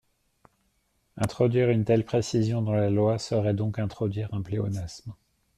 Introduire une telle précision dans la loi serait donc introduire un pléonasme.